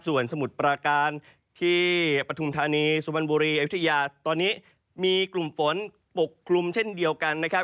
ส่วนสมุทรปราการที่ปฐุมธานีสุพรรณบุรีอายุทยาตอนนี้มีกลุ่มฝนปกคลุมเช่นเดียวกันนะครับ